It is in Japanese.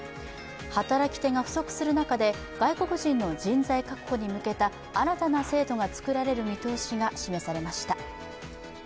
働き手が不足する中で外国人の人材確保に向けた新たな制度が作られる見通しが示されました。